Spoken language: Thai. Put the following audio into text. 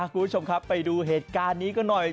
คุณผู้ชมครับไปดูเหตุการณ์นี้กันหน่อย